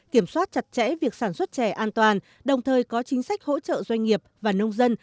kiểm soát chặt chẽ việc sản xuất chè an toàn đồng thời có chính sách hỗ trợ doanh nghiệp và nông dân